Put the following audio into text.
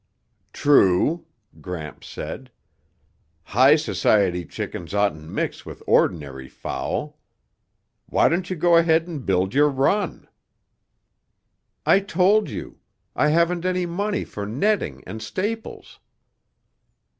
"True," Gramps said. "High society chickens oughtn't mix with ordinary fowl. Why don't you go ahead and build your run?" "I told you. I haven't any money for netting and staples."